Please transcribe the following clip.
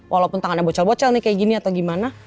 walaupun tangannya bocel bocel nih kayak gini atau gimana